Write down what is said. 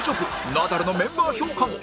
ナダルのメンバー評価も